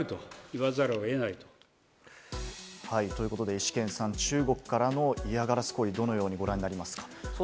イシケンさん、中国からの嫌がらせ行為、どのようにご覧になりますか？